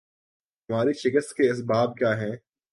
ہماری شکست کے اسباب کیا ہیں